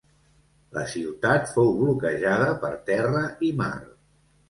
La ciutat fou bloquejada per terra i mar.